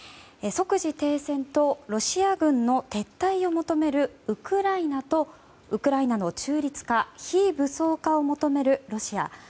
即時停戦とロシア軍の撤退を求めるウクライナと、ウクライナの中立化・非武装化を求めるロシア。